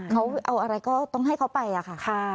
เขาเอาอะไรก็ต้องให้เขาไปอะค่ะ